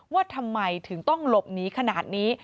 ว่าทำไมถึงต้องหลบหนีขนาดนี้